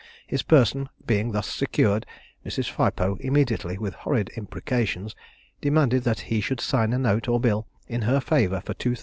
His person being thus secured, Mrs. Phipoe immediately, with horrid imprecations, demanded that he should sign a note or bill in her favour for 2000_l.